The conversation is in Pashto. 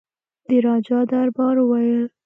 د راجا دربار وویل.